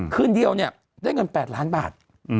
คืนเดียวเนี่ยได้เงิน๘ล้านบาท